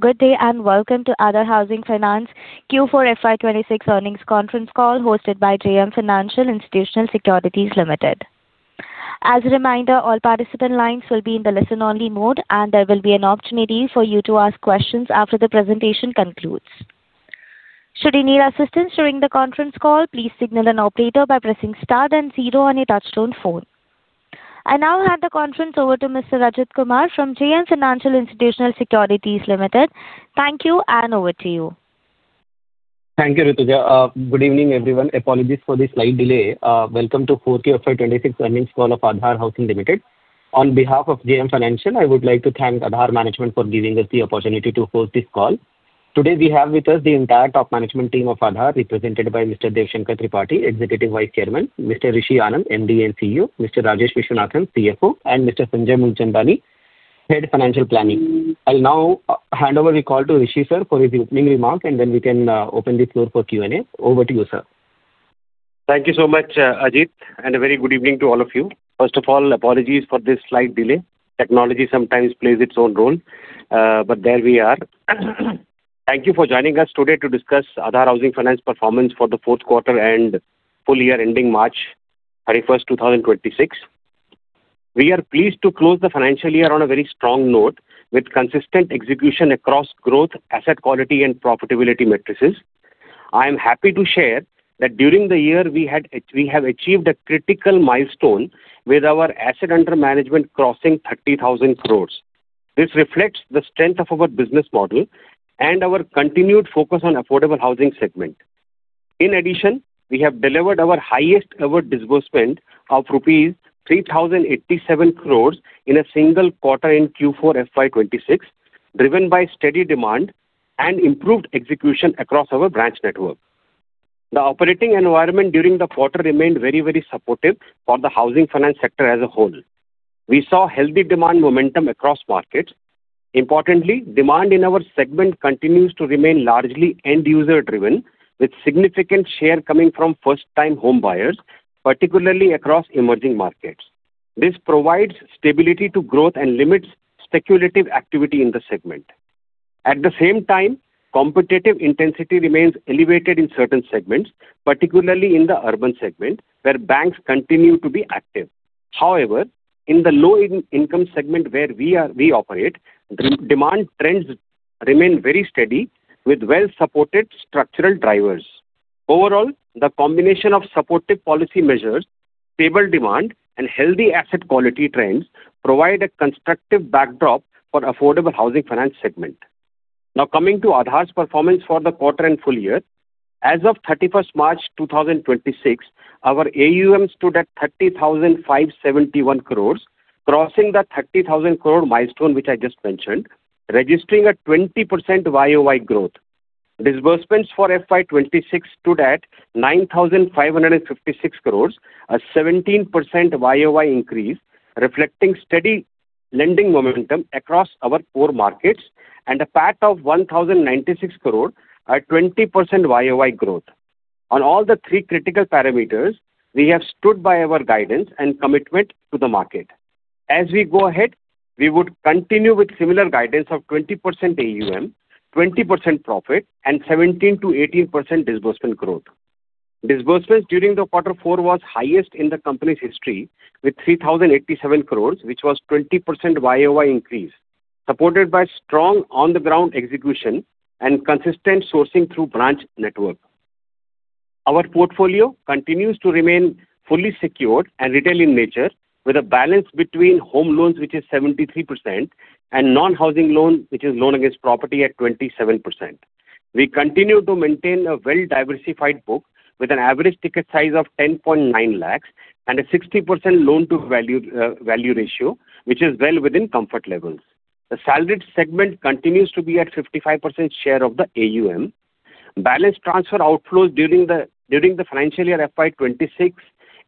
Good day, and welcome to Aadhar Housing Finance Q4 FY 2026 earnings conference call hosted by JM Financial Institutional Securities Limited. I now hand the conference over to Mr. Ajit Kumar from JM Financial Institutional Securities Limited. Thank you, and over to you. Thank you, Rutuja. Good evening, everyone. Apologies for the slight delay. Welcome to Q4 FY 2026 earnings call of Aadhar Housing Limited. On behalf of JM Financial, I would like to thank Aadhar management for giving us the opportunity to host this call. Today, we have with us the entire top management team of Aadhar, represented by Mr. Deo Shankar Tripathi, Executive Vice Chairman; Mr. Rishi Anand, MD & CEO; Mr. Rajesh Viswanathan, CFO; and Mr. Sanjay Moolchandani, Head Financial Planning. I'll now hand over the call to Rishi, sir, for his opening remarks, and then we can open the floor for Q&A. Over to you, sir. Thank you so much, Ajit, and a very good evening to all of you. First of all, apologies for this slight delay. Technology sometimes plays its own role, but there we are. Thank you for joining us today to discuss Aadhar Housing Finance performance for the fourth quarter and full year ending March 31st, 2026. We are pleased to close the financial year on a very strong note with consistent execution across growth, asset quality and profitability matrices. I am happy to share that during the year we have achieved a critical milestone with our asset under management crossing 30,000 crore. This reflects the strength of our business model and our continued focus on affordable housing segment. In addition, we have delivered our highest ever disbursement of rupees 3,087 crore in a single quarter in Q4 FY 2026, driven by steady demand and improved execution across our branch network. The operating environment during the quarter remained very supportive for the housing finance sector as a whole. We saw healthy demand momentum across markets. Importantly, demand in our segment continues to remain largely end-user driven, with significant share coming from first-time homebuyers, particularly across emerging markets. This provides stability to growth and limits speculative activity in the segment. At the same time, competitive intensity remains elevated in certain segments, particularly in the urban segment, where banks continue to be active. In the low-income segment where we operate, demand trends remain very steady with well-supported structural drivers. Overall, the combination of supportive policy measures, stable demand and healthy asset quality trends provide a constructive backdrop for affordable housing finance segment. Coming to Aadhar's performance for the quarter and full year. As of 31st March 2026, our AUM stood at 30,571 crore, crossing the 30,000 crore milestone, which I just mentioned, registering a 20% YOY growth. Disbursement for FY 2026 stood at 9,556 crore, a 17% YOY increase, reflecting steady lending momentum across our core markets, and a PAT of 1,096 crore at 20% YOY growth. On all the three critical parameters, we have stood by our guidance and commitment to the market. As we go ahead, we would continue with similar guidance of 20% AUM, 20% profit and 17%-18% disbursement growth. Disbursement during the quarter four was highest in the company's history, with 3,087 crore, which was 20% YOY increase, supported by strong on-the-ground execution and consistent sourcing through branch network. Our portfolio continues to remain fully secured and retail in nature, with a balance between home loans, which is 73%, and non-housing loan, which is loan against property at 27%. We continue to maintain a well-diversified book with an average ticket size of 10.9 lakh and a 60% loan to value value ratio, which is well within comfort levels. The salaried segment continues to be at 55% share of the AUM. Balance transfer outflows during the financial year FY 2026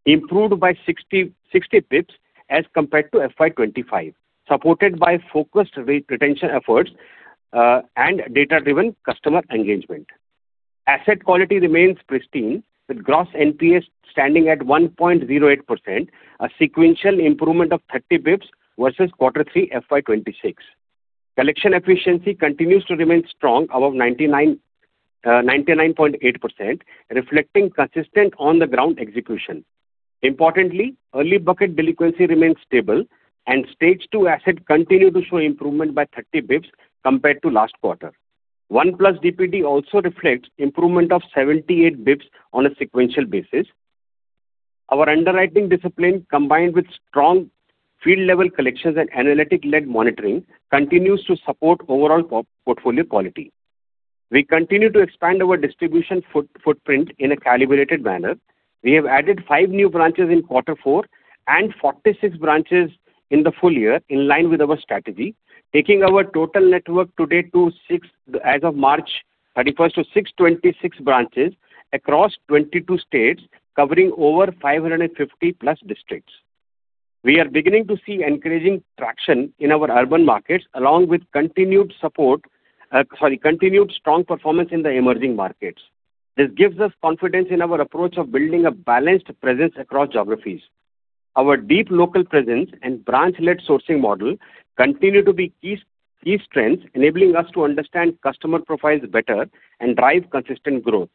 improved by 60 basis points as compared to FY 2025, supported by focused rate retention efforts and data-driven customer engagement. Asset quality remains pristine, with gross NPAs standing at 1.08%, a sequential improvement of 30 basis points versus quarter three FY 2026. Collection efficiency continues to remain strong above 99.8%, reflecting consistent on-the-ground execution. Importantly, early bucket delinquency remains stable, and stage two asset continue to show improvement by 30 basis points compared to last quarter. 1+ DPD also reflects improvement of 78 basis points on a sequential basis. Our underwriting discipline, combined with strong field-level collections and analytic-led monitoring, continues to support overall portfolio quality. We continue to expand our distribution footprint in a calibrated manner. We have added five new branches in quarter four and 46 branches in the full year, in line with our strategy, taking our total network today as of March 31st to 626 branches across 22 states, covering over 550+ districts. We are beginning to see encouraging traction in our urban markets, along with continued strong performance in the emerging markets. This gives us confidence in our approach of building a balanced presence across geographies. Our deep local presence and branch-led sourcing model continue to be key strengths, enabling us to understand customer profiles better and drive consistent growth.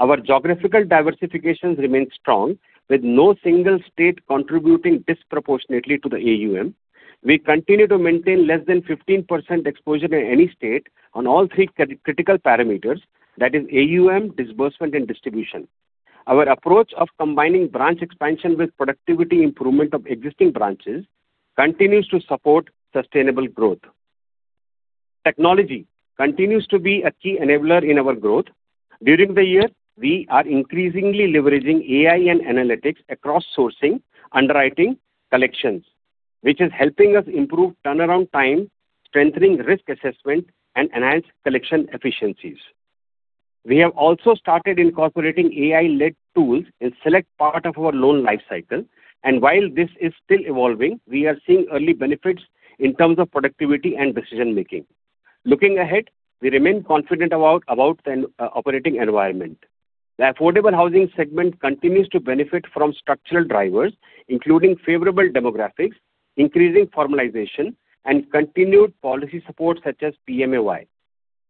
Our geographical diversifications remain strong, with no single state contributing disproportionately to the AUM. We continue to maintain less than 15% exposure to any state on all three critical parameters. That is AUM, disbursement, and distribution. Our approach of combining branch expansion with productivity improvement of existing branches continues to support sustainable growth. Technology continues to be a key enabler in our growth. During the year, we are increasingly leveraging AI and analytics across sourcing, underwriting, collections, which is helping us improve turnaround time, strengthening risk assessment, and enhance collection efficiencies. We have also started incorporating AI-led tools in select part of our loan life cycle, and while this is still evolving, we are seeing early benefits in terms of productivity and decision-making. Looking ahead, we remain confident about an operating environment. The affordable housing segment continues to benefit from structural drivers, including favorable demographics, increasing formalization, and continued policy support such as PMAY.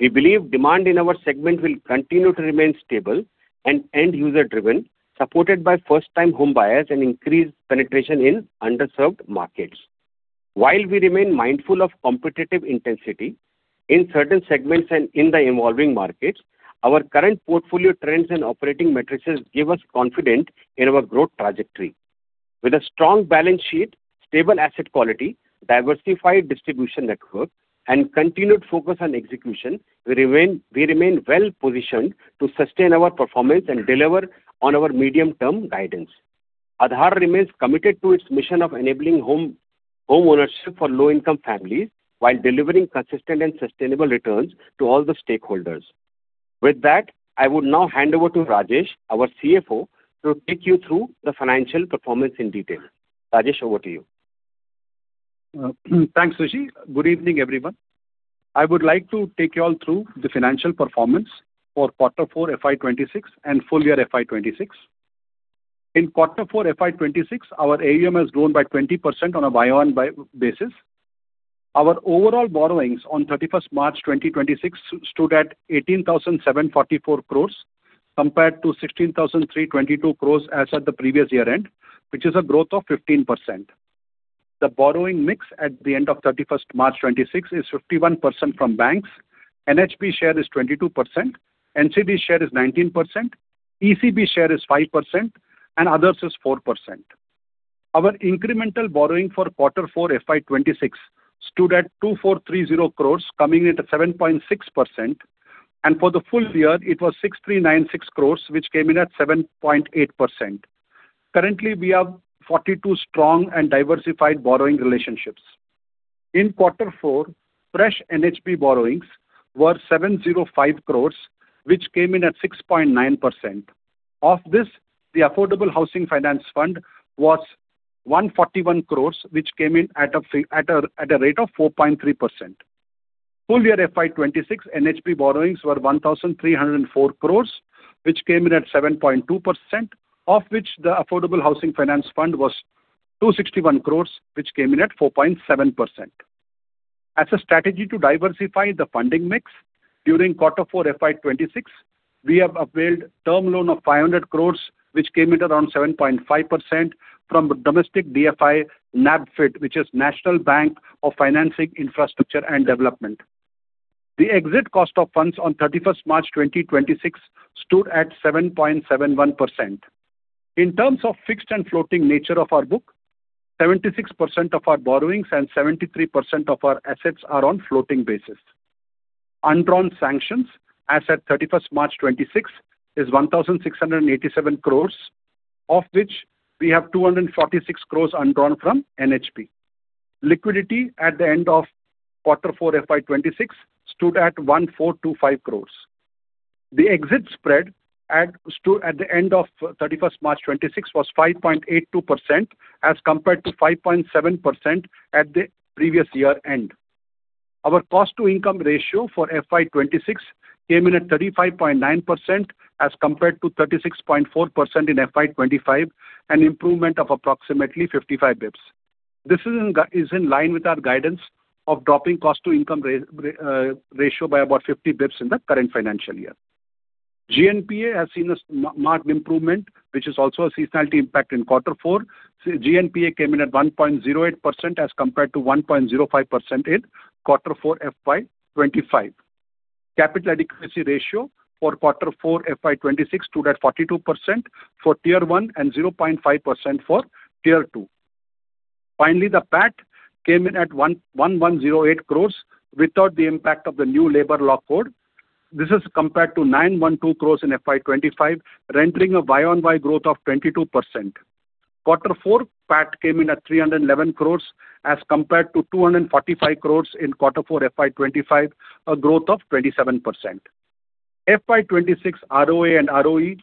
We believe demand in our segment will continue to remain stable and end user driven, supported by first-time homebuyers and increased penetration in underserved markets. While we remain mindful of competitive intensity in certain segments and in the evolving markets, our current portfolio trends and operating metrics give us confidence in our growth trajectory. With a strong balance sheet, stable asset quality, diversified distribution network, and continued focus on execution, we remain well-positioned to sustain our performance and deliver on our medium-term guidance. Aadhar remains committed to its mission of enabling homeownership for low-income families while delivering consistent and sustainable returns to all the stakeholders. With that, I would now hand over to Rajesh, our CFO, to take you through the financial performance in detail. Rajesh, over to you. Thanks, Rishi Anand. Good evening, everyone. I would like to take you all through the financial performance for quarter four FY 2026 and full year FY 2026. In quarter four FY 2026, our AUM has grown by 20% on a YOY basis. Our overall borrowings on 31st March 2026 stood at 18,744 crore compared to 16,322 crore as at the previous year end, which is a growth of 15%. The borrowing mix at the end of 31st March 2026 is 51% from banks, NHB share is 22%, NCD share is 19%, ECB share is 5%, and others is 4%. Our incremental borrowing for quarter four FY 2026 stood at 2,430 crore coming in at 7.6%. For the full year it was 6,396 crore, which came in at 7.8%. Currently, we have 42 strong and diversified borrowing relationships. In quarter four, fresh NHB borrowings were 705 crore, which came in at 6.9%. Of this, the Affordable Housing Fund was 141 crore, which came in at a fee, at a rate of 4.3%. Full year FY 2026 NHB borrowings were 1,304 crore, which came in at 7.2%, of which the Affordable Housing Fund was 261 crore, which came in at 4.7%. As a strategy to diversify the funding mix, during quarter four FY 2026, we have availed term loan of 500 crore, which came at around 7.5% from domestic DFI NaBFID, which is National Bank for Financing Infrastructure and Development. The exit cost of funds on 31st March 2026 stood at 7.71%. In terms of fixed and floating nature of our book, 76% of our borrowings and 73% of our assets are on floating basis. Undrawn sanctions, as at 31st March 2026, is 1,687 crore, of which we have 246 crore undrawn from NHB. Liquidity at the end of quarter four FY 2026 stood at 1,425 crore. The exit spread stood at the end of 31st March 2026 was 5.82% as compared to 5.7% at the previous year end. Our cost to income ratio for FY 2026 came in at 35.9% as compared to 36.4% in FY 2025, an improvement of approximately 55 basis points. This is in line with our guidance of dropping cost to income ratio by about 50 basis points in the current financial year. GNPA has seen a marked improvement, which is also a seasonality impact in quarter four. GNPA came in at 1.08% as compared to 1.05% in quarter four FY 2025. Capital adequacy ratio for quarter four FY 2026 stood at 42% for Tier one and 0.5% for Tier two. Finally, the PAT came in at 1,108 crore without the impact of the new labor law code. This is compared to 912 crore in FY 2025, rendering a YOY growth of 22%. Quarter four PAT came in at 311 crore as compared to 245 crore in quarter four FY 2025, a growth of 27%. FY 2026 ROA and ROE,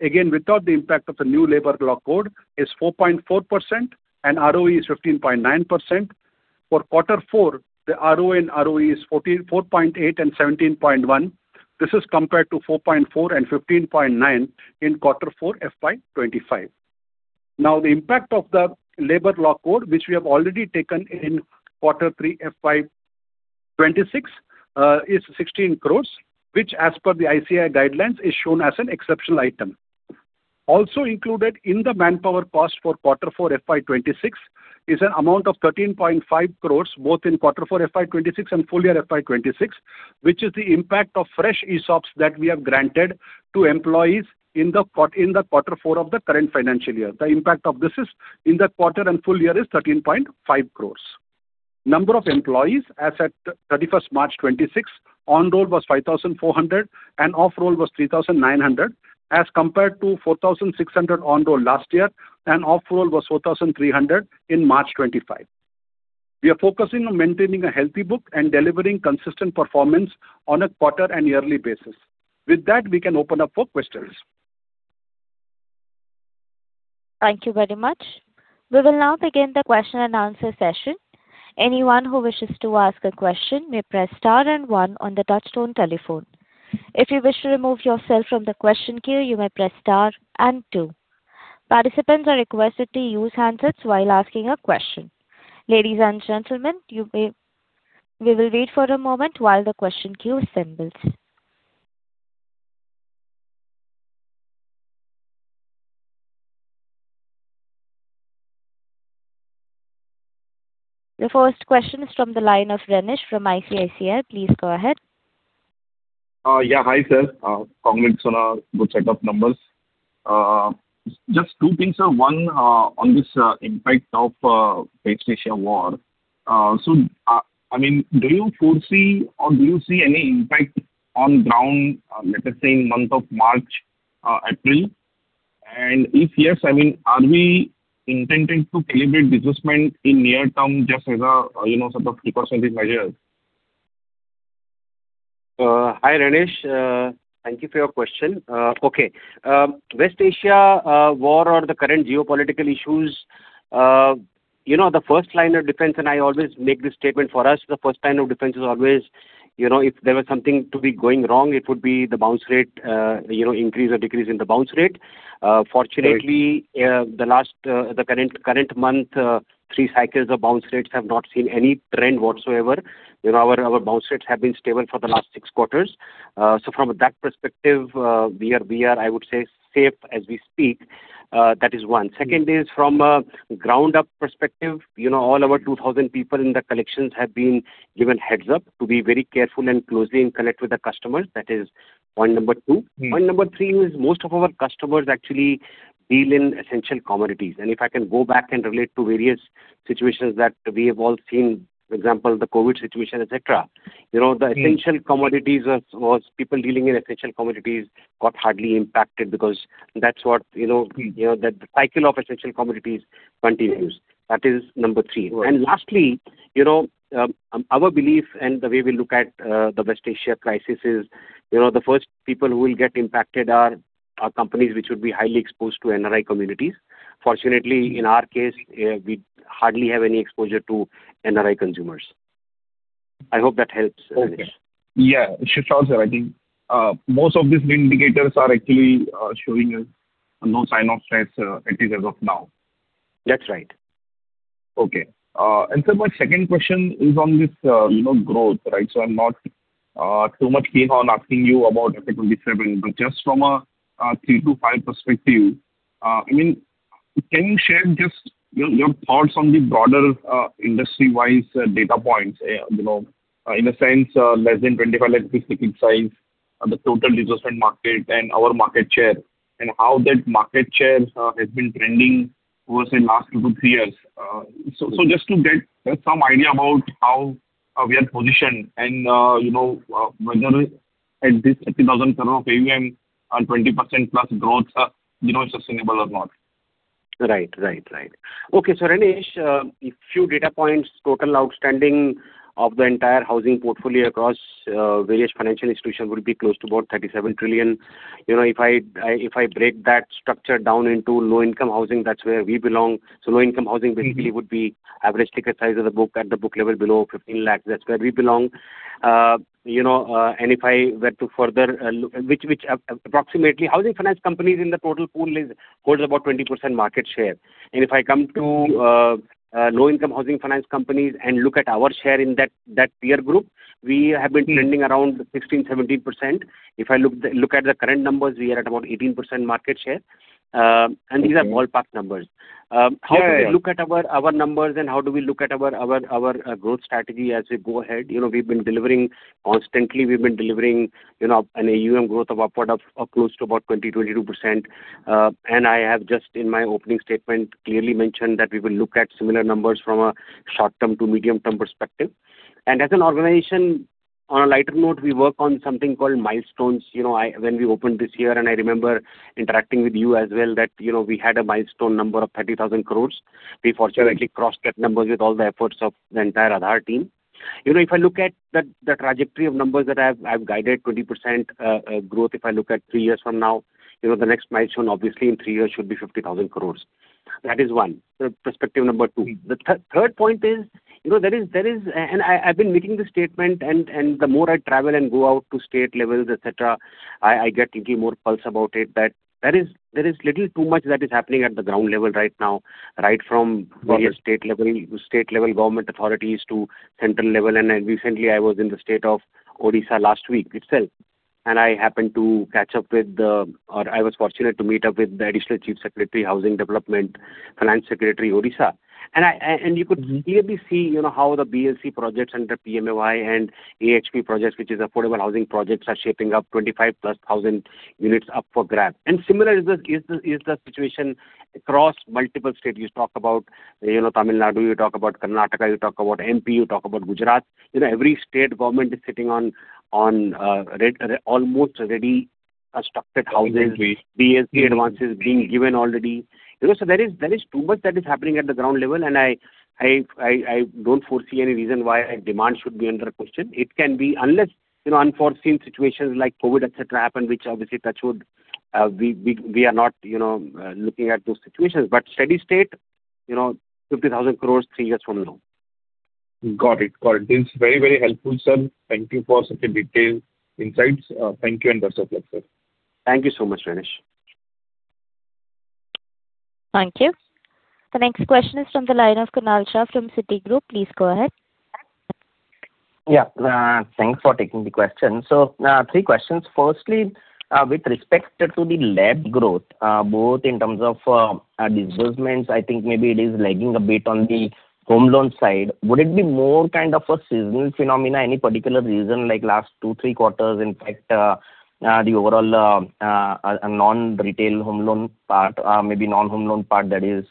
again without the impact of the new labor law code, is 4.4%, and ROE is 15.9%. For quarter four, the ROA and ROE is 4.8 and 17.1. This is compared to 4.4 and 15.9 in quarter four FY 2025. The impact of the labor law code, which we have already taken in quarter three FY 2026, is 16 crore, which as per the ICAI guidelines is shown as an exceptional item. Also included in the manpower cost for quarter four FY 2026 is an amount of 13.5 crore, both in quarter four FY 2026 and full year FY 2026, which is the impact of fresh ESOPs that we have granted to employees in the quarter four of the current financial year. The impact of this is in that quarter and full year is 13.5 crore. Number of employees as at 31st March 2026, on-roll was 5,400 and off-roll was 3,900, as compared to 4,600 on-roll last year and off-roll was 4,300 in March 2025. We are focusing on maintaining a healthy book and delivering consistent performance on a quarter and yearly basis. With that, we can open up for questions. Thank you very much. We will now begin the question and answer session. Anyone who wishes to ask a question may press star and one on the touchtone telephone. If you wish to remove yourself from the question queue, you may press star and two. Participants are requested to use handsets while asking a question. Ladies and gentlemen, we will wait for a moment while the question queue assembles. The first question is from the line of Renish from ICICI Securities. Please go ahead. Yeah. Hi, sir. Congrats on a good set of numbers. Just two things, sir. One, on this, impact of, West Asia war. I mean, do you foresee or do you see any impact on ground, let us say in month of March, April? If yes, I mean, are we intending to calibrate disbursement in near term just as a, you know, sort of precautionary measure? Hi, Renish. Thank you for your question. West Asia war or the current geopolitical issues, you know, the first line of defense, and I always make this statement for us, the first line of defense is always, you know, if there was something to be going wrong, it would be the bounce rate, you know, increase or decrease in the bounce rate. Right. The last, the current month, three cycles of bounce rates have not seen any trend whatsoever. You know, our bounce rates have been stable for the last six quarters. From that perspective, we are, I would say, safe as we speak. That is one. Second is from a ground-up perspective, you know, all our 2,000 people in the collections have been given heads-up to be very careful and closely in connect with the customers. That is point number two. Point number three is most of our customers actually deal in essential commodities. If I can go back and relate to various situations that we have all seen, for example the COVID situation, et cetera. Essential commodities people dealing in essential commodities got hardly impacted because that's what, you know. You know, the cycle of essential commodities continues. That is number three. Right. Lastly, you know, our belief and the way we look at, the West Asia crisis is, you know, the first people who will get impacted are companies which would be highly exposed to NRI communities. Fortunately, in our case, we hardly have any exposure to NRI consumers. I hope that helps, Renish. Okay. Yeah. It should solve, sir. I think, most of these indicators are actually showing a no sign of stress, at least as of now. That's right. Okay. My second question is on this, you know, growth, right? I'm not too much keen on asking you about FY 2027, but just from a three to five perspective, I mean, can you share just your thoughts on the broader industry-wise data points? You know, in a sense, less than 25 lakh rupees is ticket size, the total disbursement market and our market share, and how that market share has been trending over say last two to three years. Just to get some idea about how we are positioned and, you know, whether at this 30,000 crore of AUM and 20%+ growth, you know, is sustainable or not. Right. Right. Right. Okay, Renish, a few data points. Total outstanding of the entire housing portfolio across various financial institutions would be close to about 37 trillion. You know, if I, if I break that structure down into low-income housing, that's where we belong. low-income housing basically would be average ticket size of the book at the book level below 15 lakh. That's where we belong. you know, if I were to further. Which approximately housing finance companies in the total pool holds about 20% market share. If I come to low-income housing finance companies and look at our share in that peer group, we have been trending around 16%, 17%. If I look at the current numbers, we are at about 18% market share. Okay. all past numbers. Yeah, yeah. look at our numbers and how do we look at our growth strategy as we go ahead? You know, we've been delivering constantly. We've been delivering, you know, an AUM growth of upward of close to about 20%-22%. I have just in my opening statement clearly mentioned that we will look at similar numbers from a short-term to medium-term perspective. As an organization, on a lighter note, we work on something called milestones. You know, when we opened this year, and I remember interacting with you as well, that, you know, we had a milestone number of 30,000 crore. We fortunately- Right. crossed that number with all the efforts of the entire Aadhar team. You know, if I look at the trajectory of numbers that I've guided 20% growth, if I look at three years from now, you know, the next milestone obviously in three years should be 50,000 crore. The third point is, you know, there is And I've been making this statement and the more I travel and go out to state levels, et cetera, I get thinking more pulse about it that there is little too much that is happening at the ground level right now, right from various state-level government authorities to central level. Recently I was in the state of Odisha last week itself, and I happened to catch up with, or I was fortunate to meet up with the Additional Chief Secretary, Housing Development, Finance Secretary Odisha. I, you could clearly see, you know, how the BLC projects under PMAY and AHP projects, which is affordable housing projects, are shaping up 25+ thousand units up for grab. Similar is the situation across multiple states. You talk about, you know, Tamil Nadu, you talk about Karnataka, you talk about MP, you talk about Gujarat. You know, every state government is sitting on almost ready structured houses. Indeed. BLC advances being given already. You know, there is too much that is happening at the ground level and I don't foresee any reason why demand should be under question. It can be unless, you know, unforeseen situations like COVID, et cetera, happen, which obviously touch wood, we are not, you know, looking at those situations. Steady state, you know, 50,000 crore three years from now. Got it. It's very, very helpful, sir. Thank you for such a detailed insights. Thank you and best of luck, sir. Thank you so much, Renish Bhuva. Thank you. The next question is from the line of Kunal Shah from Citigroup. Please go ahead. Yeah. Thanks for taking the question. Three questions. Firstly, with respect to the LAP growth, both in terms of disbursements, I think maybe it is lagging a bit on the home loan side. Would it be more kind of a seasonal phenomena, any particular reason like last two, three quarters, in fact, the overall non-retail home loan part, maybe non-home loan part that is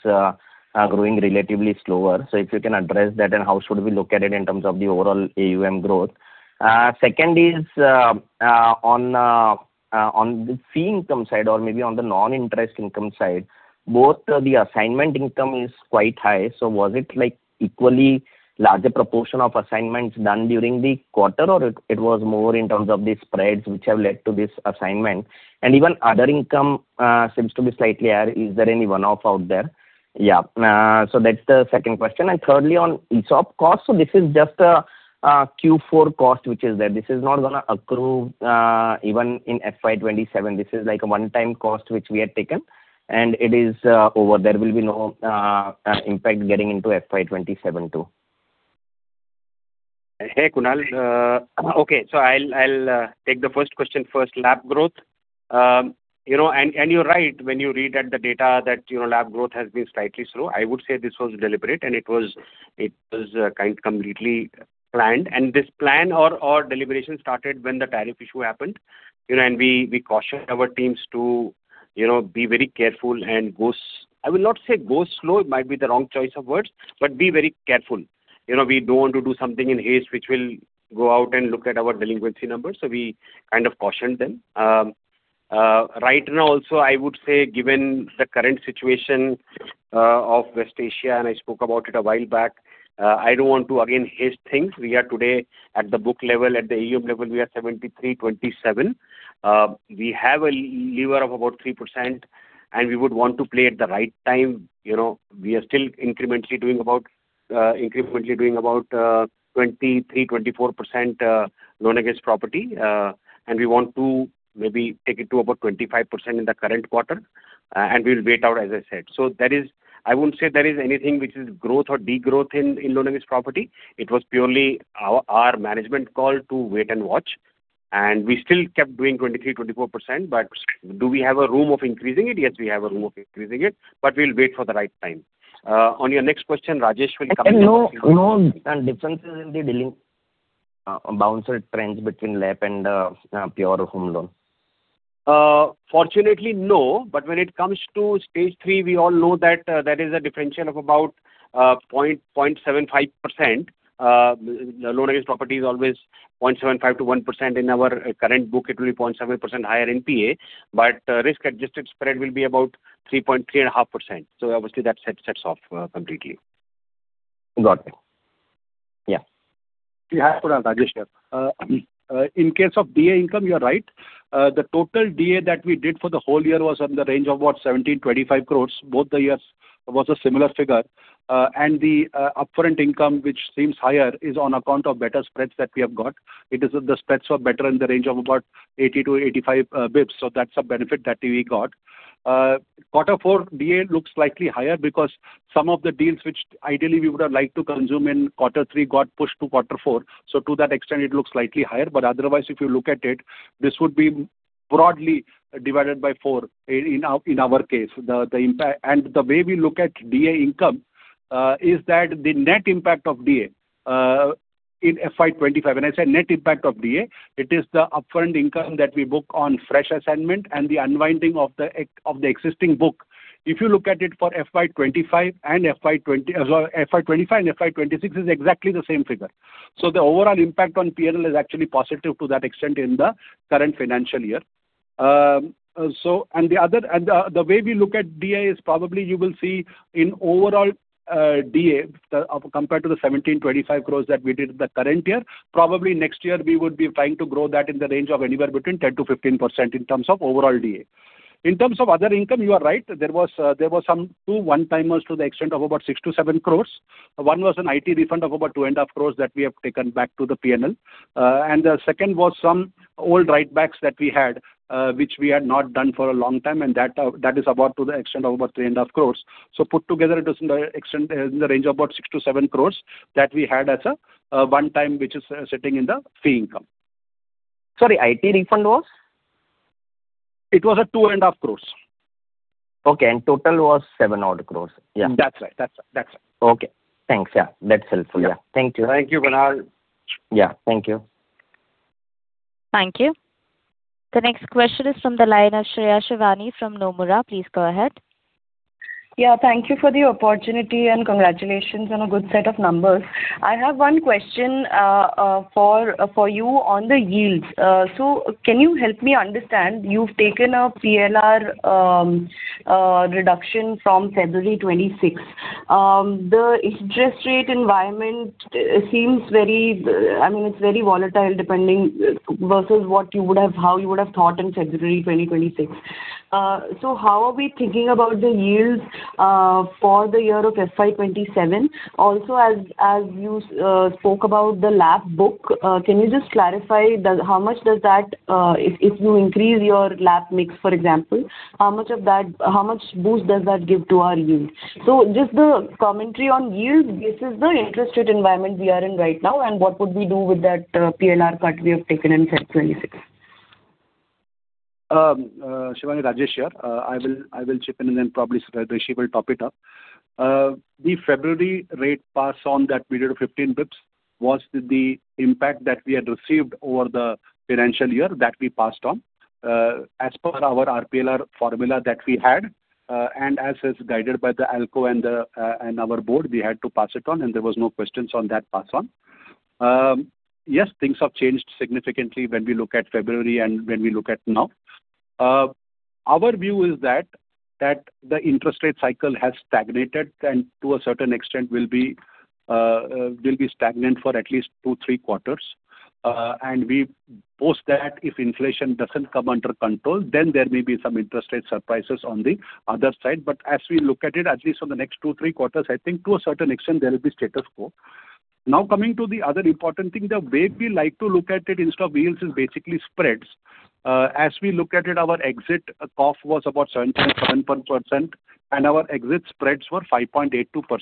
growing relatively slower. If you can address that and how should we look at it in terms of the overall AUM growth. Second is on the fee income side or maybe on the non-interest income side, both the assignment income is quite high. Was it like equally larger proportion of assignments done during the quarter or it was more in terms of the spreads which have led to this assignment? Even other income seems to be slightly higher. Is there any one-off out there? Yeah. That's the second question. Thirdly, on ESOP costs, this is just a Q4 cost which is there. This is not gonna accrue even in FY 2027. This is like a one-time cost which we had taken and it is over. There will be no impact getting into FY 2027 too. Hey, Kunal. Okay. I'll take the first question first. LAP growth. You know, and you're right when you read at the data that, you know, LAP growth has been slightly slow. I would say this was deliberate and it was completely planned. This plan or deliberation started when the tariff issue happened. You know, we cautioned our teams to, you know, be very careful and I will not say go slow, it might be the wrong choice of words, but be very careful. You know, we don't want to do something in haste which will go out and look at our delinquency numbers. We kind of cautioned them. Right now also, I would say given the current situation of West Asia, and I spoke about it a while back, I don't want to again haste things. We are today at the book level, at the AUM level, we are 73-27. We have a lever of about 3%, and we would want to play at the right time. You know, we are still incrementally doing about 23%-24% Loan Against Property. And we want to maybe take it to about 25% in the current quarter, and we'll wait out, as I said. I wouldn't say there is anything which is growth or degrowth in Loan Against Property. It was purely our management call to wait and watch, and we still kept doing 23%-24%. Do we have a room of increasing it? Yes, we have a room of increasing it, but we'll wait for the right time. On your next question, Rajesh will come in. No, differences in the bounce trends between LAP and pure home loan. Fortunately, no. When it comes to stage three, we all know that there is a differential of about 0.75%. The Loan Against Property is always 0.75%-1%. In our current book, it will be 0.7% higher NPA, but risk-adjusted spread will be about 3.3% and 0.5%. Obviously that sets off completely. Got it. Yeah. Yeah, Kunal. Rajesh here. In case of DA income, you're right. The total DA that we did for the whole year was in the range of, what, 17, 25 crore. Both the years was a similar figure. The upfront income, which seems higher, is on account of better spreads that we have got. It is the spreads were better in the range of about 80-85 basis points. That's a benefit that we got. Quarter four DA looks slightly higher because some of the deals which ideally we would have liked to consume in quarter three got pushed to quarter four. To that extent, it looks slightly higher. Otherwise, if you look at it, this would be broadly divided by four in our case. The way we look at DA income is that the net impact of DA in FY 2025, when I say net impact of DA, it is the upfront income that we book on fresh assignment and the unwinding of the existing book, if you look at it for FY 2025 and FY 2026 is exactly the same figure. The overall impact on P&L is actually positive to that extent in the current financial year. The way we look at DA is probably you will see in overall DA, compared to the 1,725 crore that we did in the current year, probably next year we would be trying to grow that in the range of anywhere between 10%-15% in terms of overall DA. In terms of other income, you are right. There was some two one-timers to the extent of about 6-7 crore. One was an IT refund of about 2.5 crore that we have taken back to the P&L. The second was some old write-backs that we had, which we had not done for a long time, and that is about to the extent of about 3.5 crore. Put together it is in the extent in the range of about 6 crore-7 crore that we had as a one-time which is sitting in the fee income. Sorry, IT refund was? It was a 2.5 crores. Okay. Total was 7 odd crore. Yeah. That's right. That's right. That's right. Okay. Thanks. Yeah. That's helpful. Yeah. Yeah. Thank you. Thank you, Kunal. Yeah. Thank you. Thank you. The next question is from the line of Shreya Shivani from Nomura. Please go ahead. Yeah. Thank you for the opportunity, Congratulations on a good set of numbers. I have one question for you on the yields. Can you help me understand, you've taken a PLR reduction from February 26th. The interest rate environment seems very, I mean, it's very volatile depending versus what you would have, how you would have thought in February 2026. How are we thinking about the yields for the year of FY 2027? Also, as you spoke about the LAP book, can you just clarify how much does that, if you increase your LAP mix, for example, how much boost does that give to our yield? Just the commentary on yields versus the interest rate environment we are in right now and what would we do with that, PLR cut we have taken in February 26th. Shivani, Rajesh here. I will chip in and then probably Mr. Rishi will top it up. The February rate pass on that we did of 15 basis points was the impact that we had received over the financial year that we passed on. As per our RPLR formula that we had, and as is guided by the ALCO and our board, we had to pass it on and there was no questions on that pass on. Yes, things have changed significantly when we look at February and when we look at now. Our view is that the interest rate cycle has stagnated and to a certain extent will be stagnant for at least two, three quarters. We boast that if inflation doesn't come under control, then there may be some interest rate surprises on the other side. As we look at it, at least for the next two, three quarters, I think to a certain extent there will be status quo. Coming to the other important thing, the way we like to look at it instead of yields is basically spreads. As we look at it, our exit COF was about 17.1%, and our exit spreads were 5.82%.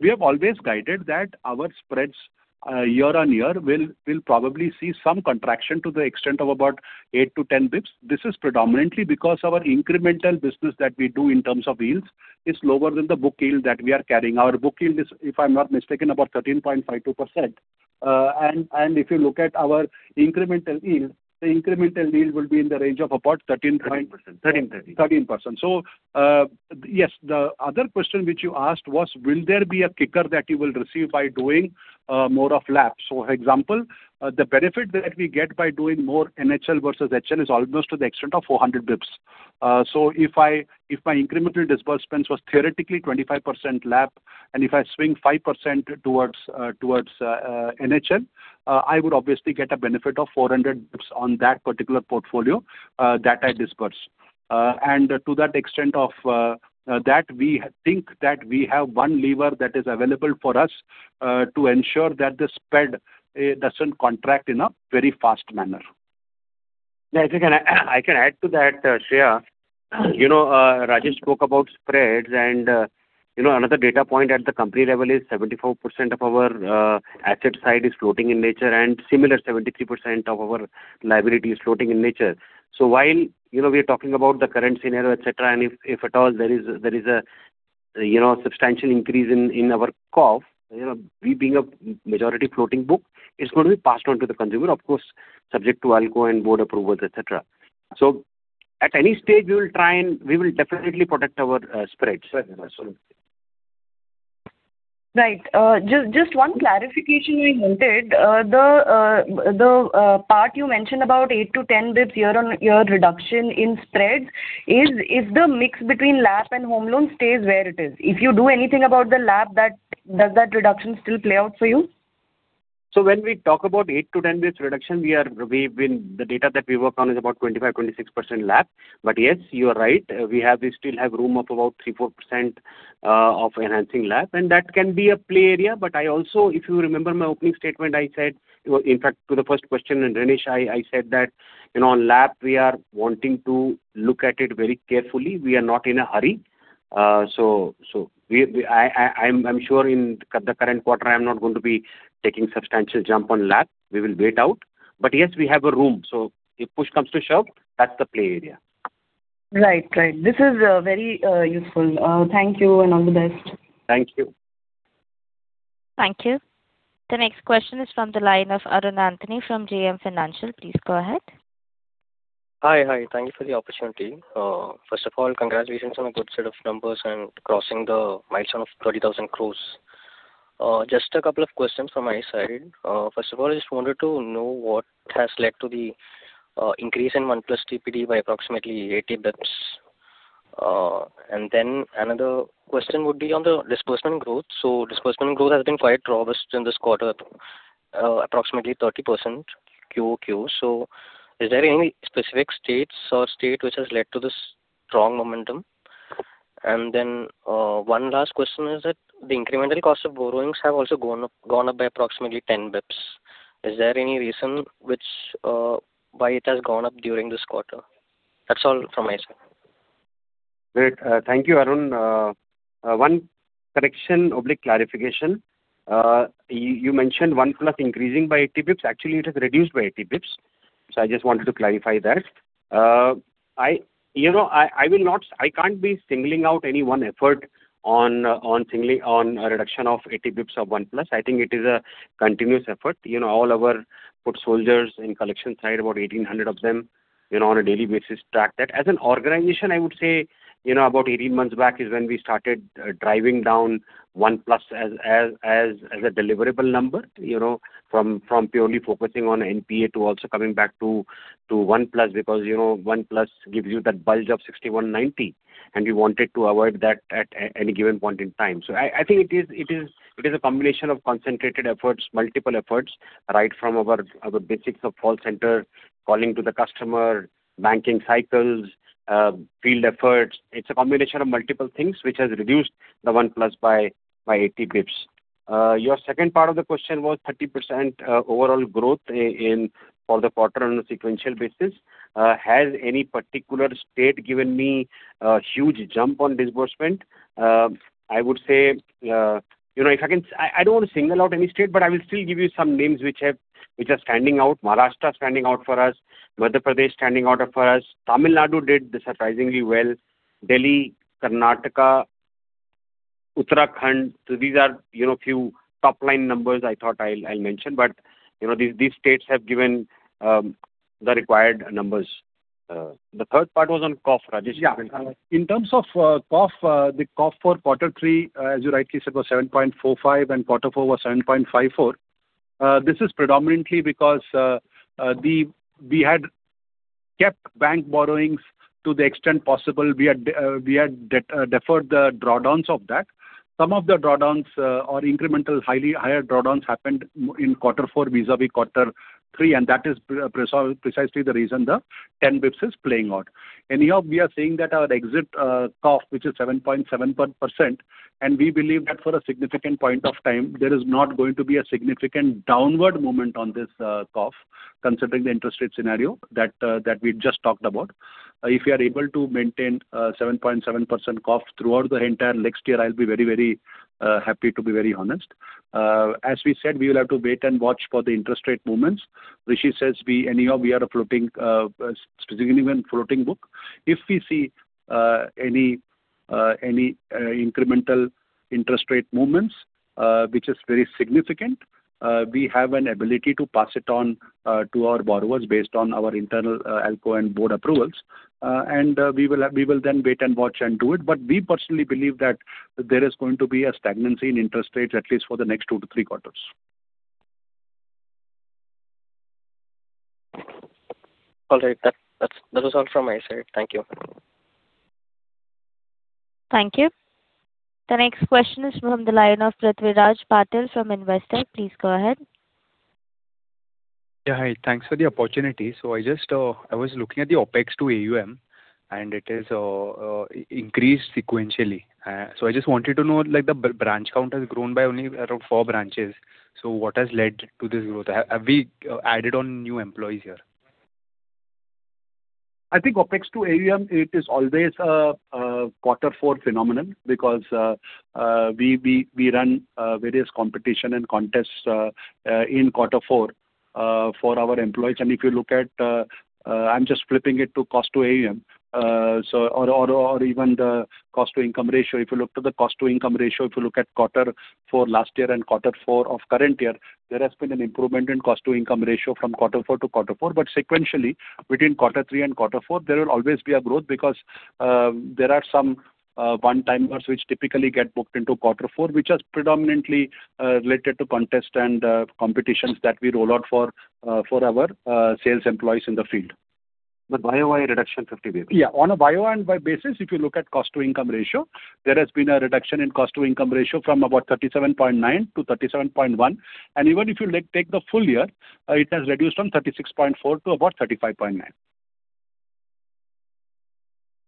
We have always guided that our spreads year-on-year will probably see some contraction to the extent of about 8-10 basis points. This is predominantly because our incremental business that we do in terms of yields is lower than the book yield that we are carrying. Our book yield is, if I'm not mistaken, about 13.52%. If you look at our incremental yield, the incremental yield will be in the range of about 13%. 13%. 13%. Yes, the other question which you asked was will there be a kicker that you will receive by doing more of LAP? Example, the benefit that we get by doing more NHL versus HL is almost to the extent of 400 basis points. If my incremental disbursements was theoretically 25% LAP and if I swing 5% towards NHL, I would obviously get a benefit of 400 basis points on that particular portfolio that I disperse. And to that extent of that we think that we have one lever that is available for us to ensure that the spread doesn't contract in a very fast manner. Yeah. If I can, I can add to that, Shreya. You know, Rajesh spoke about spreads and, you know, another data point at the company level is 74% of our asset side is floating in nature and similar 73% of our liability is floating in nature. While, you know, we are talking about the current scenario, et cetera, and if at all there is a, you know, substantial increase in our COF, you know, we being a majority floating book, it's gonna be passed on to the consumer. Of course, subject to ALCO and board approvals, et cetera. At any stage we will try and we will definitely protect our spreads. Sure. Absolutely. Right. Just one clarification we wanted. The part you mentioned about 8 to 10 basis points year-on-year reduction in spreads, is the mix between LAP and home loan stays where it is? If you do anything about the LAP, does that reduction still play out for you? When we talk about 8-10 basis points reduction, we've been the data that we work on is about 25%-26% LAP. Yes, you are right. We still have room of about 3%-4% of enhancing LAP, and that can be a play area. I also, if you remember my opening statement, I said, in fact to the first question in Renish, I said that, you know, on LAP we are wanting to look at it very carefully. We are not in a hurry. So we I'm sure in the current quarter I'm not going to be taking substantial jump on LAP. We will wait out. Yes, we have a room. If push comes to shove, that's the play area. Right. This is very useful. Thank you and all the best. Thank you. Thank you. The next question is from the line of Arun Antony from JM Financial. Please go ahead. Hi. Hi. Thank you for the opportunity. First of all, congratulations on a good set of numbers and crossing the milestone of 30,000 crore. Just a couple of questions from my side. First of all, I just wanted to know what has led to the increase in 1+ DPD by approximately 80 basis points. Another question would be on the disbursement growth. Disbursement growth has been quite robust in this quarter. Approximately 30% QOQ. Is there any specific states or state which has led to this strong momentum? One last question is that the incremental cost of borrowings have also gone up by approximately 10 basis points. Is there any reason which why it has gone up during this quarter? That's all from my side. Great. Thank you, Arun. One correction oblique clarification. You mentioned 1+ increasing by 80 basis points. Actually, it has reduced by 80 basis points. I just wanted to clarify that. I, you know, I can't be singling out any one effort on singly on a reduction of 80 basis points of 1+. I think it is a continuous effort. You know, all our foot soldiers in collection side, about 1,800 of them, you know, on a daily basis track that. As an organization, I would say, you know, about 18 months back is when we started driving down 1+ as a deliverable number. You know, from purely focusing on NPA to also coming back to 1+ because, you know, 1+s gives you that bulge of 61-90, and we wanted to avoid that at any given point in time. I think it is a combination of concentrated efforts, multiple efforts, right from our basics of call center, calling to the customer, banking cycles, field efforts. It's a combination of multiple things which has reduced the 1+ by 80 basis points. Your second part of the question was 30% overall growth in for the quarter on a sequential basis. Has any particular state given me a huge jump on disbursement? I don't want to single out any state, but I will still give you some names which are standing out. Maharashtra is standing out for us. Madhya Pradesh is standing out for us. Tamil Nadu did surprisingly well. Delhi, Karnataka, Uttarakhand. These are few top-line numbers I thought I'll mention, but these states have given the required numbers. The third part was on COF, Rajesh Viswanathan. Yeah. In terms of CoF, the CoF for quarter three, as you rightly said, was 7.45%, and quarter four was 7.54%. This is predominantly because we had kept bank borrowings to the extent possible. We had deferred the drawdowns of that. Some of the drawdowns, or incremental highly higher drawdowns happened in quarter four vis-à-vis quarter three, and that is precisely the reason the 10 basis points is playing out. Anyhow, we are saying that our exit CoF, which is 7.7%, and we believe that for a significant point of time, there is not going to be a significant downward movement on this CoF, considering the interest rate scenario that we just talked about. If we are able to maintain 7.7% COF throughout the entire next year, I'll be very, very happy, to be very honest. As we said, we will have to wait and watch for the interest rate movements. Rishi says we anyhow we are a significantly even floating book. If we see any incremental interest rate movements, which is very significant, we have an ability to pass it on to our borrowers based on our internal ALCO and board approvals. We will then wait and watch and do it. We personally believe that there is going to be a stagnancy in interest rates, at least for the next two to three quarters. All right. That is all from my side. Thank you. Thank you. The next question is from the line of Prithviraj Patil from Investec. Please go ahead. Yeah. Hi. Thanks for the opportunity. I just, I was looking at the OpEx to AUM, and it is increased sequentially. I just wanted to know, like, the branch count has grown by only around four branches. What has led to this growth? Have we added on new employees here? I think OpEx to AUM, it is always a quarter four phenomenon because we run various competition and contests in quarter four for our employees. If you look at, I am just flipping it to cost to AUM. Or even the cost to income ratio. If you look to the cost to income ratio, if you look at quarter four last year and quarter four of current year, there has been an improvement in cost to income ratio from quarter four to quarter four. Sequentially, between quarter three and quarter four, there will always be a growth because there are some one-timers which typically get booked into quarter four, which are predominantly related to contest and competitions that we roll out for for our sales employees in the field. year-over-year reduction 50 basis points. Yeah. On a Y-o-Y and by basis, if you look at cost to income ratio, there has been a reduction in cost to income ratio from about 37.9% to 37.1%. Even if you like take the full year, it has reduced from 36.4% to about 35.9%.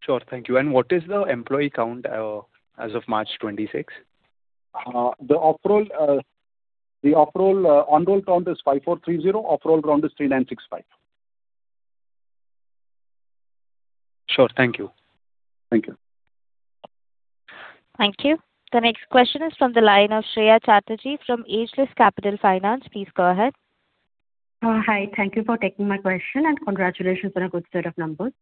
Sure. Thank you. What is the employee count, as of March 26? The on-roll count is 5,430. Off-roll count is 3,965. Sure. Thank you. Thank you. Thank you. The next question is from the line of Shreya Chatterjee from Ageas Federal Life Insurance. Please go ahead. Hi. Thank you for taking my question, and congratulations on a good set of numbers.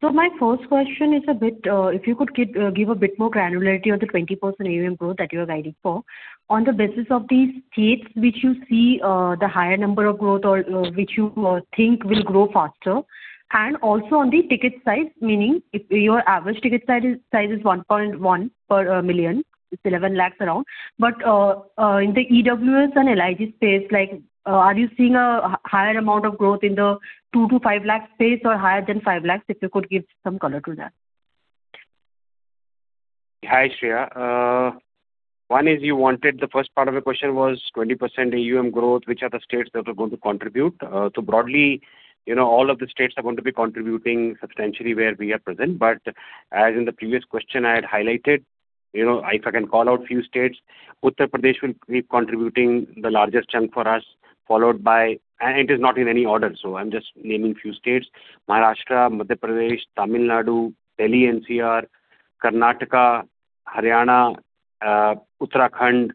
My first question is a bit, if you could give a bit more granularity on the 20% AUM growth that you are guiding for. On the basis of the states which you see, the higher number of growth or which you think will grow faster. Also on the ticket size, meaning if your average ticket size is 1.1 million. It's 11 lakh around. In the EWS and LIG space, like, are you seeing a higher amount of growth in the 2-5 lakh space or higher than 5 lakh? If you could give some color to that. Hi, Shreya. One is you wanted the first part of your question was 20% AUM growth, which are the states that are going to contribute. Broadly, you know, all of the states are going to be contributing substantially where we are present. As in the previous question I had highlighted, you know, if I can call out few states, Uttar Pradesh will be contributing the largest chunk for us, followed by it is not in any order, so I am just naming few states. Maharashtra, Madhya Pradesh, Tamil Nadu, Delhi NCR, Karnataka, Haryana, Uttarakhand,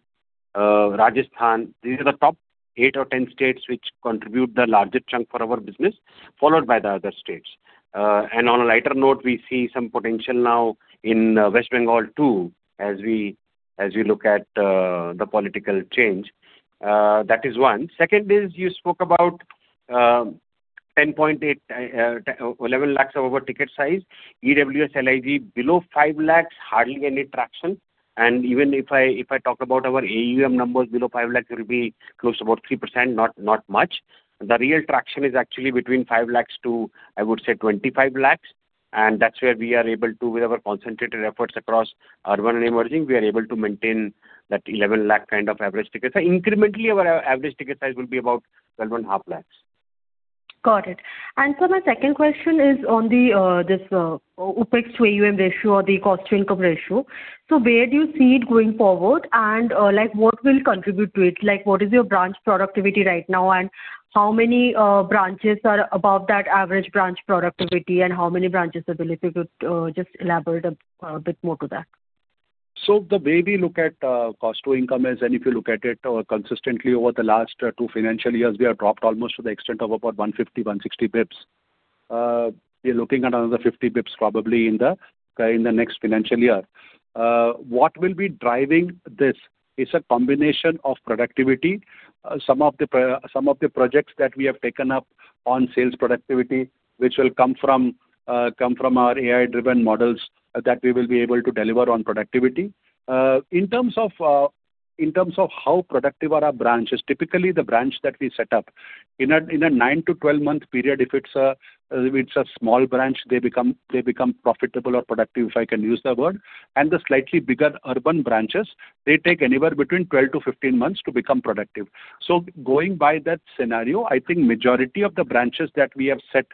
Rajasthan. These are the top eight or 10 states which contribute the largest chunk for our business, followed by the other states. On a lighter note, we see some potential now in West Bengal too, as we look at the political change. That is one. Second is you spoke about 10.8, 11 lakh of our ticket size. EWS, LIG below 5 lakh, hardly any traction. Even if I talk about our AUM numbers below 5 lakh will be close to about 3%, not much. The real traction is actually between 5 lakh to, I would say, 25 lakh. That's where we are able to, with our concentrated efforts across urban and emerging, we are able to maintain that 11 lakh kind of average ticket size. Incrementally, our average ticket size will be about 12.5 lakh. Got it. My second question is on the this OpEx to AUM ratio or the cost to income ratio. Where do you see it going forward and what will contribute to it? What is your branch productivity right now, and how many branches are above that average branch productivity, and how many branches below? If you could just elaborate a bit more to that. The way we look at cost to income is, and if you look at it consistently over the last two financial years, we have dropped almost to the extent of about 150, 160 basis points. We are looking at another 50 basis points probably in the next financial year. What will be driving this is a combination of productivity. Some of the projects that we have taken up on sales productivity, which will come from our AI-driven models that we will be able to deliver on productivity. In terms of how productive are our branches. Typically, the branch that we set up in a nine to 12-month period, if it's a small branch, they become profitable or productive, if I can use the word. The slightly bigger urban branches, they take anywhere between 12 to 15 months to become productive. Going by that scenario, I think majority of the branches that we have set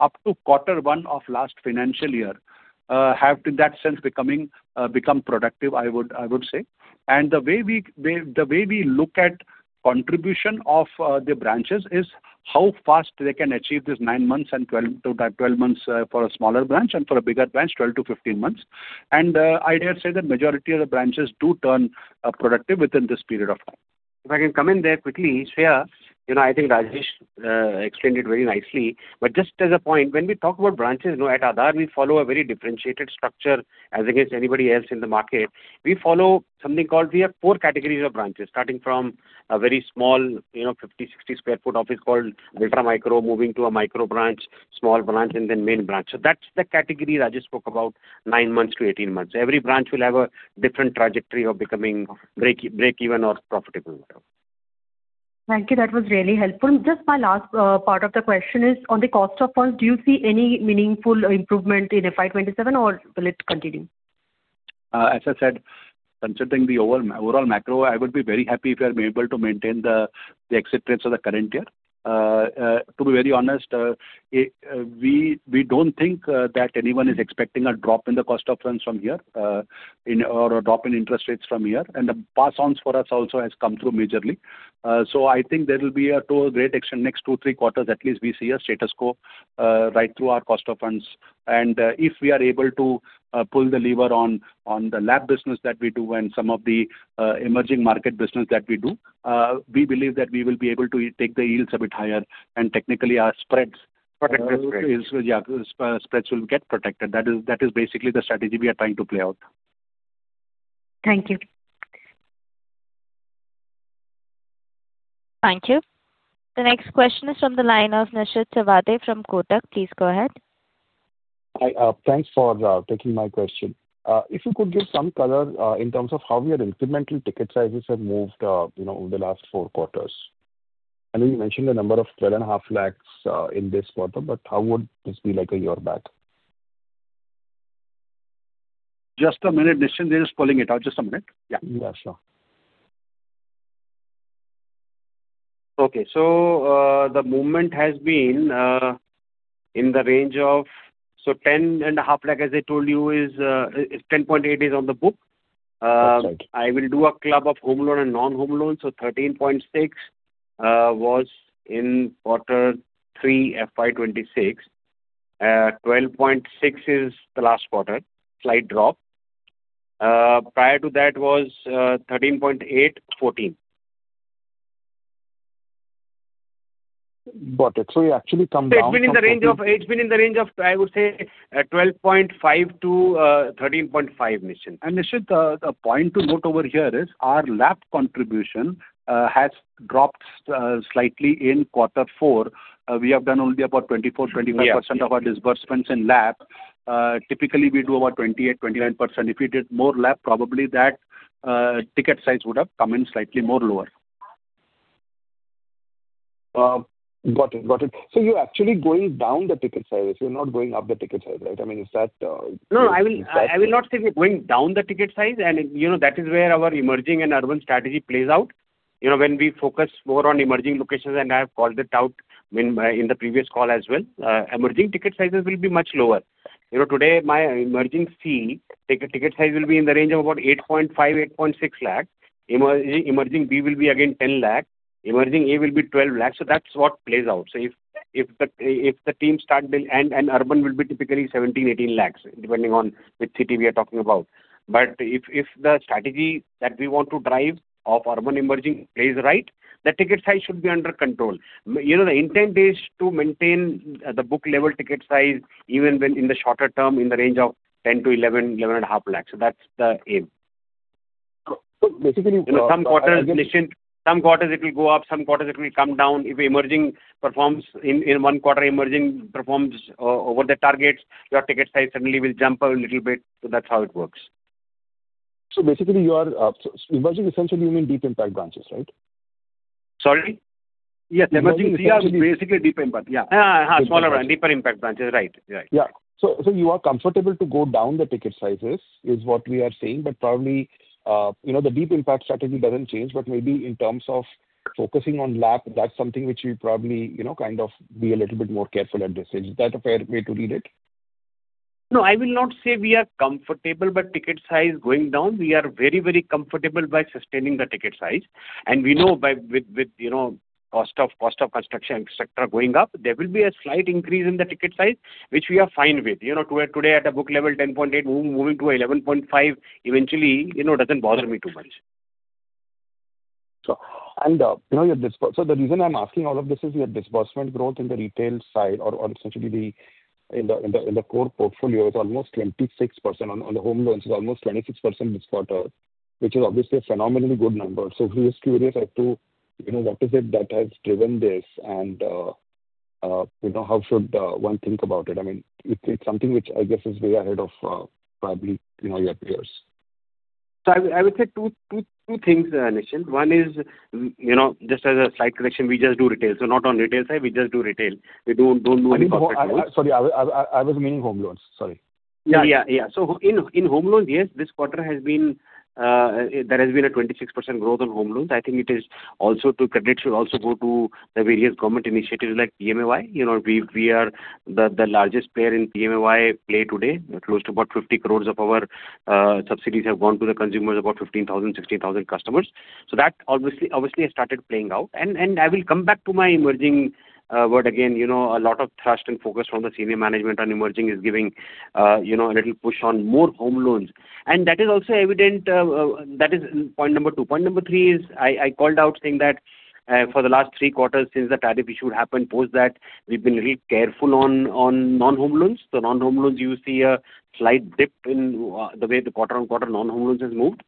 up to Q1 of last financial year, have in that sense become productive, I would say. The way we look at contribution of the branches is how fast they can achieve this nine months and 12 to 12 months, for a smaller branch, and for a bigger branch, 12 to 15 months. I dare say that majority of the branches do turn productive within this period of time. If I can come in there quickly, Shreya. You know, I think Rajesh explained it very nicely. Just as a point, when we talk about branches, you know, at Aadhar, we follow a very differentiated structure as against anybody else in the market. We have four categories of branches, starting from a very small, you know, 50, 60 sq ft office called ultra micro, moving to a micro branch, small branch, and then main branch. That's the category Rajesh spoke about, 9-18 months. Every branch will have a different trajectory of becoming break even or profitable. Thank you. That was really helpful. Just my last part of the question is on the cost of funds. Do you see any meaningful improvement in FY 2027 or will it continue? As I said, considering the overall macro, I would be very happy if we are able to maintain the exit rates of the current year. To be very honest, we don't think that anyone is expecting a drop in the cost of funds from here, in or a drop in interest rates from here. The pass-ons for us also has come through majorly. So I think there will be, to a great extent, next two, three quarters at least, we see a status quo, right through our cost of funds. If we are able to pull the lever on the LAP business that we do and some of the emerging market business that we do, we believe that we will be able to take the yields a bit higher. Protected spreads. Yeah. Spreads will get protected. That is basically the strategy we are trying to play out. Thank you. Thank you. The next question is from the line of [Nishchay Sawade] from Kotak. Please go ahead. Hi. Thanks for taking my question. If you could give some color in terms of how your incremental ticket sizes have moved, you know, over the last four quarters. I know you mentioned the number of twelve and a half lakhs in this quarter, but how would this be like a year back? Just a minute, [Nishchay]. They're just pulling it out. Just a minute. Yeah. Yeah, sure. Okay. The movement has been in the range of 10.5 Lakh, as I told you, is 10.8 lakh on the book. That's right. I will do a club of home loan and non-home loans. 13.6 was in quarter three, FY 2026. 12.6 is the last quarter. Slight drop. Prior to that was 13.8, 14. Got it. You actually come down from. It's been in the range of, I would say, 12.5-13.5, Nishint. Nishint, a point to note over here is our LAP contribution has dropped slightly in quarter four. We have done only about 24%, 25%- Yeah. of our disbursements in LAP. Typically we do about 28%, 29%. If we did more LAP probably that ticket size would have come in slightly more lower. Got it. Got it. You're actually going down the ticket size, you're not going up the ticket size, right? I mean, is that? No, I will not say we're going down the ticket size and, you know, that is where our emerging and urban strategy plays out. You know, when we focus more on emerging locations, and I have called it out when in the previous call as well. Emerging ticket sizes will be much lower. You know, today my emerging C ticket size will be in the range of about 8.5 lakh, 8.6 lakh. Emerging B will be again 10 lakh. Emerging A will be 12 lakh. That's what plays out. If the team start bill and urban will be typically 17-18 lakh, depending on which city we are talking about. If the strategy that we want to drive of urban emerging plays right, the ticket size should be under control. You know, the intent is to maintain the book level ticket size even when in the shorter term, in the range of 10 lakh-11.5 lakh. That's the aim. Basically you are. You know, some quarters, [Nishchay Sawade], some quarters it will go up, some quarters it will come down. If emerging performs in one quarter emerging performs over the targets, your ticket size suddenly will jump up a little bit. That's how it works. Basically you are, so emerging essentially you mean deep impact branches, right? Sorry. Yes, emerging C are basically deep impact. Yeah. Smaller and deeper impact branches. Right. Right. Yeah. You are comfortable to go down the ticket sizes is what we are saying. Probably, you know, the deep impact strategy doesn't change, but maybe in terms of focusing on LAP, that's something which you probably, you know, kind of be a little bit more careful at this stage. Is that a fair way to read it? I will not say we are comfortable, ticket size going down, we are very comfortable by sustaining the ticket size. We know by with, you know, cost of construction, et cetera, going up, there will be a slight increase in the ticket size, which we are fine with. You know, to where today at a book level 10.8 moving to 11.5 eventually, you know, doesn't bother me too much. You know, the reason I'm asking all of this is your disbursement growth in the retail side or essentially the, in the, in the, in the core portfolio is almost 26%. On the home loans is almost 26% this quarter, which is obviously a phenomenally good number. I'm just curious as to, you know, what is it that has driven this and, you know, how should one think about it? I mean, it's something which I guess is way ahead of, probably, you know, your peers. I would say two things, [Nishint]. One is, you know, just as a slight correction, we just do retail. Not on retail side, we just do retail. We don't do any corporate loans. I mean, so, sorry. I was meaning home loans. Sorry. Yeah. Yeah. Yeah. In home loans, yes, this quarter has been, there has been a 26% growth on home loans. I think it is also to credit should also go to the various government initiatives like PMAY. You know, we are the largest player in PMAY play today. Close to about 50 crore of our subsidies have gone to the consumers, about 15,000, 16,000 customers. I will come back to my emerging word again. You know, a lot of thrust and focus from the senior management on emerging is giving, you know, a little push on more home loans. That is also evident, that is point number two. Point number three is I called out saying that for the last three quarters since the TARP issue happened, post that we've been really careful on non-home loans. The non-home loans you see a slight dip in the way the quarter-on-quarter non-home loans has moved.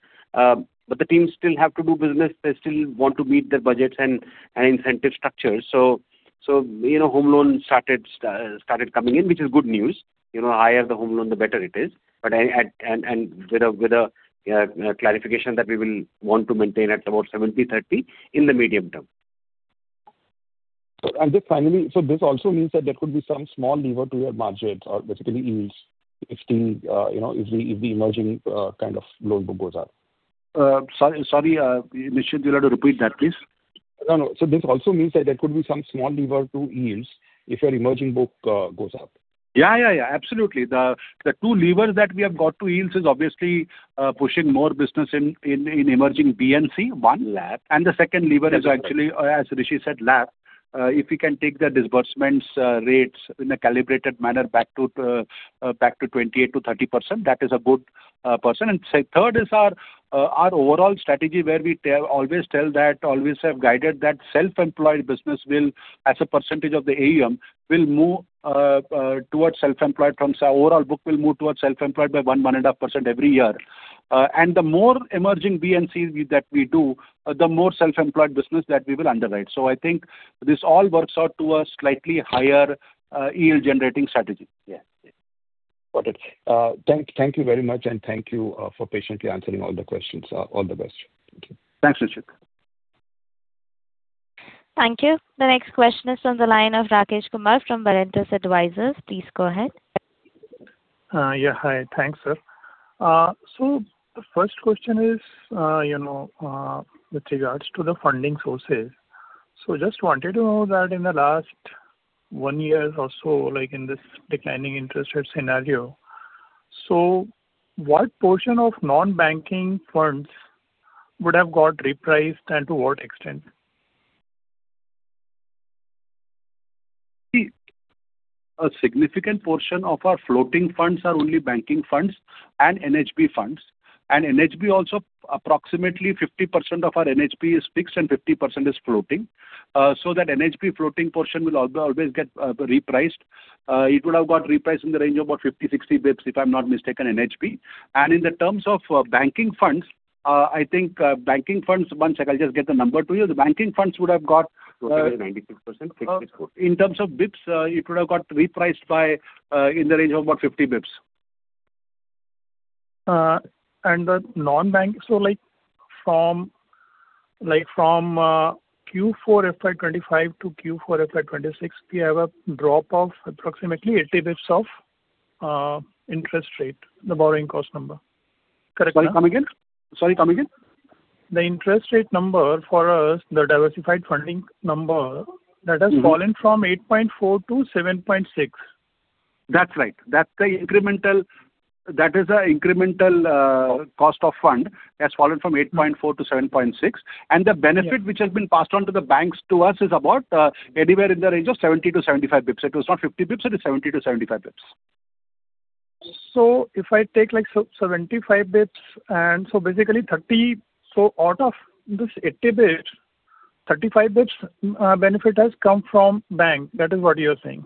The teams still have to do business. They still want to meet their budgets and incentive structures. You know, home loans started coming in, which is good news. You know, higher the home loan, the better it is. With a clarification that we will want to maintain at about 70/30 in the medium term. Just finally, this also means that there could be some small lever to your margins or basically yields if the, you know, if the emerging kind of loan book goes up. Sorry, [Nishint], you'll have to repeat that, please. No, no. This also means that there could be some small lever to yields if your emerging book goes up. Yeah. Absolutely. The two levers that we have got to yields is obviously pushing more business in emerging B and C, one. Lab. The second lever is actually, as Rishi Anand said, LAP. If we can take the disbursements rates in a calibrated manner back to 28%-30%, that is a good %. Third is our overall strategy, where we tell, always tell that always have guided that self-employed business will, as a percentage of the AUM, will move towards self-employed. Our overall book will move towards self-employed by 1.5% every year. The more emerging B and Cs we, that we do, the more self-employed business that we will underwrite. I think this all works out to a slightly higher yield generating strategy. Got it. Thank you very much. Thank you for patiently answering all the questions. All the best. Thank you. Thanks, [Nishchay Sawade]. Thank you. The next question is on the line of Rakesh Kumar from BanyanTree Advisors. Please go ahead. Yeah. Hi. Thanks, sir. The first question is, you know, with regards to the funding sources. Just wanted to know that in the last one year or so, like in this declining interest rate scenario, what portion of non-banking firms would have got repriced and to what extent? See, a significant portion of our floating funds are only banking funds and NHB funds. NHB also approximately 50% of our NHB is fixed and 50% is floating. That NHB floating portion will always get repriced. It would have got repriced in the range of about 50, 60 basis points, if I'm not mistaken, NHB. In the terms of banking funds, I think banking funds, 1 sec, I'll just get the number to you. The banking funds would have got. Okay. 96% fixed is good. In terms of basis points, it would have got repriced by in the range of about 50 basis points. The non-bank, so like from Q4 FY 2025 to Q4 FY 2026, we have a drop of approximately 80 basis points of interest rate, the borrowing cost number. Correct, no? Sorry, come again. The interest rate number for us, the diversified funding number. that has fallen from 8.4 to 7.6. That's right. That is the incremental cost of fund has fallen from 8.4 to 7.6. Yeah. which has been passed on to the banks to us is about, anywhere in the range of 70 to 75 basis points. It was not 50 basis points, it is 70 to 75 basis points. If I take like 75 basis points and so basically 30 So out of this 80 basis points, 35 basis points, benefit has come from bank. That is what you're saying?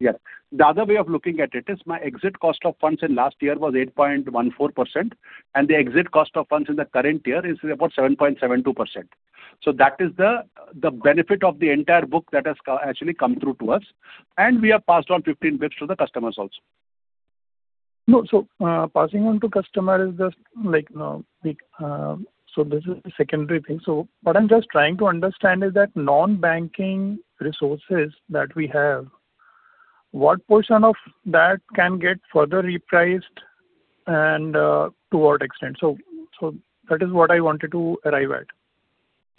Yeah. The other way of looking at it is my exit cost of funds in last year was 8.14%, and the exit cost of funds in the current year is about 7.72%. That is the benefit of the entire book that has actually come through to us. We have passed on 15 basis points to the customers also. No, passing on to customer is just like, the, this is a secondary thing. What I'm just trying to understand is that non-banking resources that we have, what portion of that can get further repriced and, to what extent? That is what I wanted to arrive at.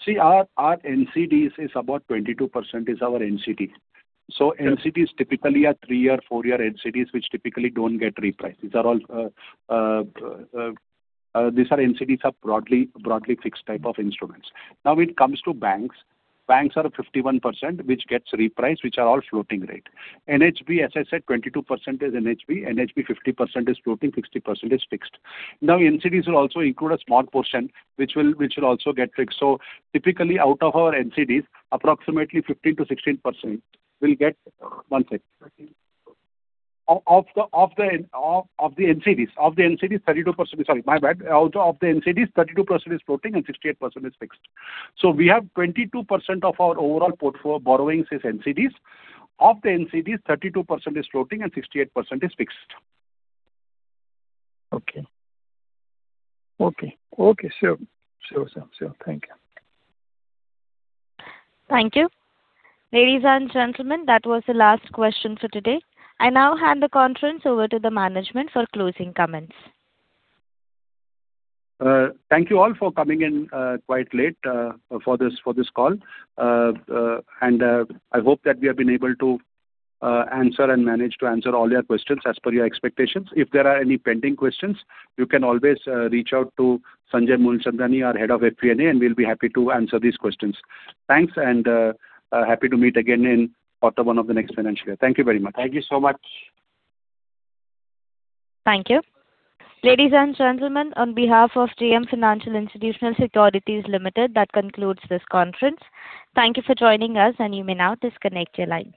See, our NCDs is about 22% is our NCD. Yeah. NCDs typically are three-year, four-year NCDs which typically don't get repriced. These are NCDs are broadly fixed type of instruments. It comes to banks. Banks are 51% which gets repriced, which are all floating rate. NHB, as I said, 22% is NHB. NHB 50% is floating, 60% is fixed. NCDs will also include a small portion which will also get fixed. Typically, out of our NCDs, approximately 15%-16% will get 1 sec. Okay. Sorry, my bad. Out of the NCDs, 32% is floating and 68% is fixed. We have 22% of our overall portfolio borrowings is NCDs. Of the NCDs, 32% is floating and 68% is fixed. Okay. Okay. Okay, sure. Sure, sure. Sure. Thank you. Thank you. Ladies and gentlemen, that was the last question for today. I now hand the conference over to the management for closing comments. Thank you all for coming in, quite late, for this, for this call. I hope that we have been able to answer and manage to answer all your questions as per your expectations. If there are any pending questions, you can always reach out to Sanjay Moolchandani, our head of FP&A, and we'll be happy to answer these questions. Thanks, happy to meet again in quarter one of the next financial year. Thank you very much. Thank you so much. Thank you. Ladies and gentlemen, on behalf of JM Financial Institutional Securities Limited, that concludes this conference. Thank you for joining us, and you may now disconnect your line.